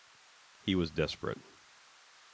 He was desperate.